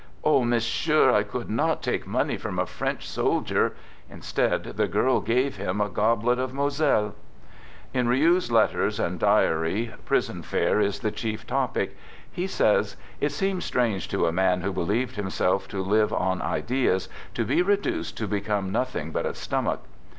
" Oh, Monsieur, I could not take money from a French soldier !" Instead, the girl gave him a gob let of Moselle. In Riou's letters and diary, prison fare is the chief topic. He says: " It seems strange to a man who believed himself to live on ideas to be reduced to become nothing but a stomach."